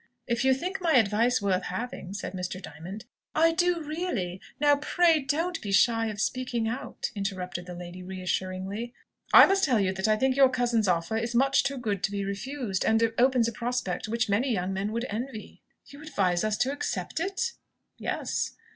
"If you think my advice worth having " said Mr. Diamond. "I do really. Now pray don't be shy of speaking out!" interrupted the lady, reassuringly. "I must tell you that I think your cousin's offer is much too good to be refused, and opens a prospect which many young men would envy." "You advise us to accept it?" "Yes."